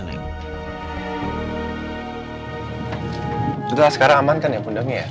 itu asghar aman kan ya pundangnya ya